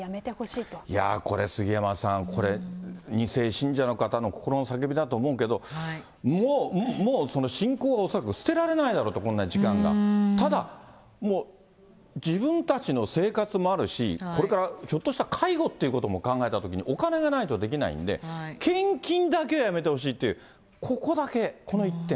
もうやめこれ、杉山さん、これ、２世信者の方の心の叫びだと思うけど、もう、信仰は恐らく捨てられないだろうと、ただ、もう、自分たちの生活もあるし、これから、ひょっとしたら介護ということを考えたときに、お金がないとできないんで、献金だけはやめてほしいっていう、ここだけ、この一点。